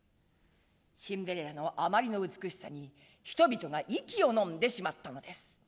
シンデレラのあまりの美しさに人々が息を呑んでしまったのです。